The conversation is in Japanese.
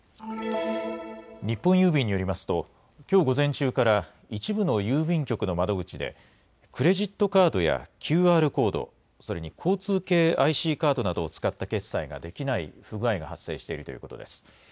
日本郵便によりますときょう午前中から一部の郵便局の窓口でクレジットカードやＱＲコード、それに交通系ＩＣカードなどを使った決済ができない不具合が発生しているということです。